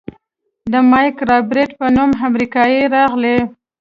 د مايک رابرټ په نوم امريکايي راغى.